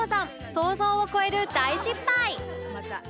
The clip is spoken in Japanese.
想像を超える大失敗！